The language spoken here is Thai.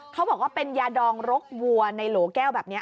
เขาบอกว่าเป็นยาดองรกวัวในโหลแก้วแบบนี้